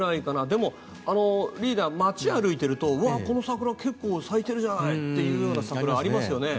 でも、リーダー街を歩いているとうわっ、この桜結構咲いてるじゃないっていうような桜ありますよね。